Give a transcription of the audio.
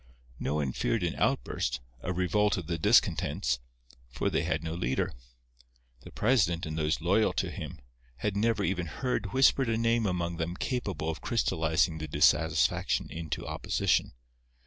No one feared an outburst, a revolt of the discontents, for they had no leader. The president and those loyal to him had never even heard whispered a name among them capable of crystallizing the dissatisfaction into opposition.